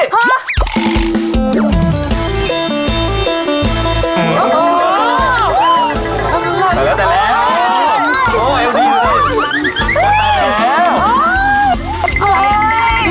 ตายแล้ว